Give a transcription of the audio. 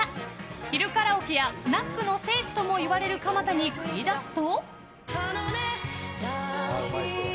昼カラオケやスナックの聖地ともいわれる蒲田に繰り出すと。